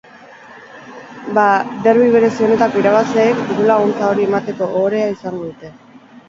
Bada, derbi berezi honetako irabazleek dirulaguntza hori emateko ohorea izango dute.